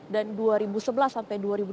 dan dua ribu sebelas sampai dua ribu dua puluh tiga